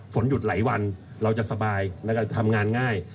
ฝนหยุดหลายวันเราจะสบายแล้วก็ทำงานง่าย